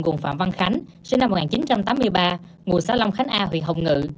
gồm phạm văn khánh sinh năm một nghìn chín trăm tám mươi ba ngụ xã long khánh a huyện hồng ngự